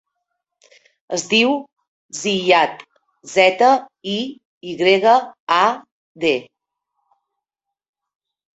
Es diu Ziyad: zeta, i, i grega, a, de.